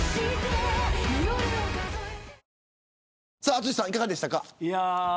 淳さん、いかがでしたか。